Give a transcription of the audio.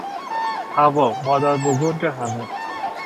حوا، مادر بزرگ همه